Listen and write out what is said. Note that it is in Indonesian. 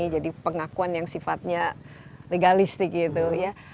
jadi pengakuan yang sifatnya legalistik gitu ya